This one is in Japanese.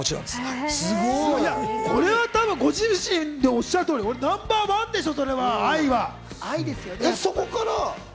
これはご自身、おっしゃる通り、ナンバーワンでしょう！